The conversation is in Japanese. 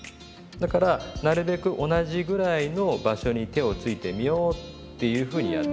だからなるべく同じぐらいの場所に手をついてみようっていうふうにやってもらって。